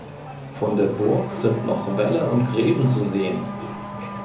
Von der Burg sind noch Wälle und Gräben zu sehen.